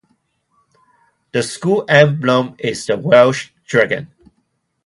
The school emblem is the Welsh Dragon.